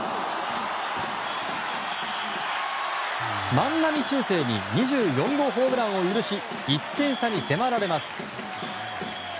万波中正に２４号ホームランを許し１点差に迫られます。